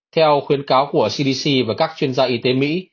theo khuyến cáo của cdc và các chuyên gia y tế mỹ